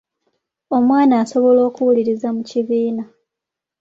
Omwana asobola okuwuliriza mu kibiina.